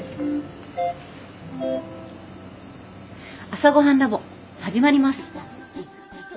「朝ごはんＬａｂ．」始まります。